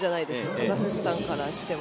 カザフスタンからしても。